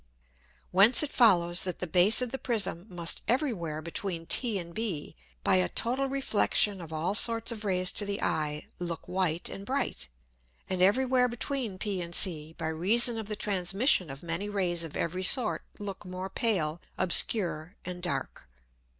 Whence it follows, that the Base of the Prism must every where between t and B, by a total Reflexion of all sorts of Rays to the Eye, look white and bright. And every where between p and C, by reason of the Transmission of many Rays of every sort, look more pale, obscure, and dark.